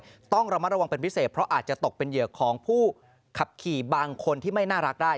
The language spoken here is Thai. ต้องระมัดระวังเป็นพิเศษเพราะอาจจะตกเป็นเหยื่อของผู้ขับขี่บางคนที่ไม่น่ารักได้